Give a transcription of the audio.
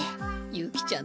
・ユキちゃん。